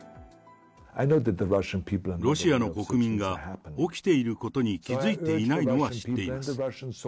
ロシアの国民が起きていることに気付いていないのは知っています。